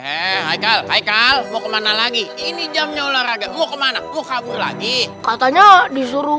hai hai hai hai hai mau kemana lagi ini jamnya olahraga mau kemana mau kabur lagi katanya disuruh